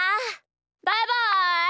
バイバイ！